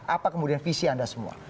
apa kemudian visi anda semua